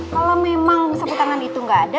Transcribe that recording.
kalau memang sapu tangan itu nggak ada